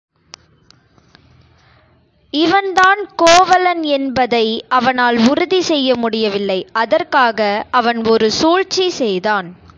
இவன்தான் கோவலன் என்பதை அவனால் உறுதி செய்ய முடியவில்லை அதற்காக அவன் ஒரு சூழ்ச்சி செய்தான்.